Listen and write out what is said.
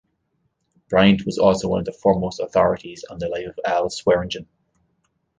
Bryant was also one of the foremost authorities on the life of Al Swearengen.